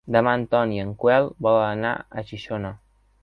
Demà en Ton i en Quel volen anar a Xixona.